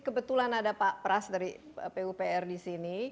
kebetulan ada pak pras dari pupr di sini